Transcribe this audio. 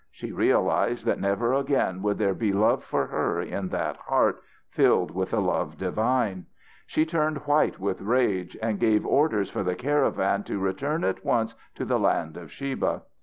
She realised that never again would there be love for her in that heart filled with a love divine. She turned white with rage and gave orders for the caravan to return at once to the land of Sheba.